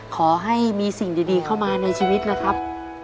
ขอให้มีสิ่งดีเข้ามาในชีวิตนะครับ